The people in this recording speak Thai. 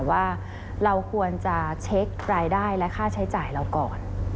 ว่าเราควรจะเช็ครายได้และค่าใช้จ่ายเราก่อน